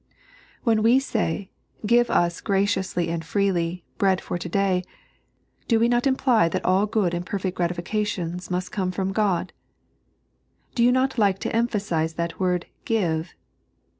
When we say :" Give us, graciously and freely, bread for to day," do we not imply that all good and perfect gratifica tion must come from God ? Do you not like to emphasize that word give